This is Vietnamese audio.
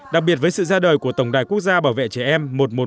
đặc biệt với sự ra đời của tổng đài quốc gia bảo vệ trẻ em một trăm một mươi một